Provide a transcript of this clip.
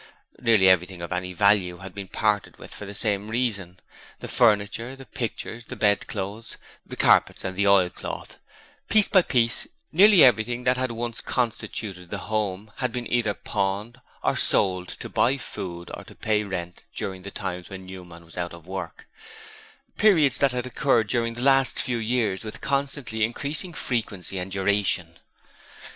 Nearly everything of any value had been parted with for the same reason the furniture, the pictures, the bedclothes, the carpet and the oilcloth, piece by piece, nearly everything that had once constituted the home had been either pawned or sold to buy food or to pay rent during the times when Newman was out of work periods that had recurred during the last few years with constantly increasing frequency and duration.